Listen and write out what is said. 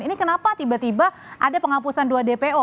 ini kenapa tiba tiba ada penghapusan dua dpo